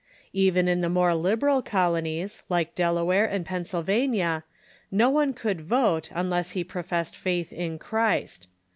Even in the more liberal colonies, like Delaware and Pennsylvania, no one could vote unless he professed faith in Christ.